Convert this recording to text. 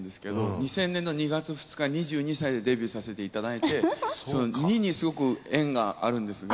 ２０００年の２月２日２２歳でデビューさせていただいて２にすごく縁があるんですね。